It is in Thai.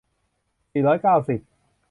สี่ร้อยเก้าสิบ